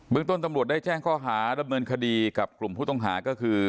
ต้นตำรวจได้แจ้งข้อหาดำเนินคดีกับกลุ่มผู้ต้องหาก็คือ